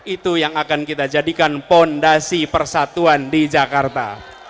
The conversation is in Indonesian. itu yang akan kita jadikan fondasi persatuan di jakarta